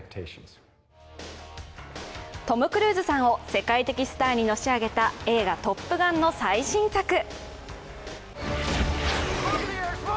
トム・クルーズさんを世界的スターにのし上げた映画「トップガン」の最新作。